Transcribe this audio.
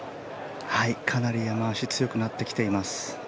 かなり雨脚強くなってきています。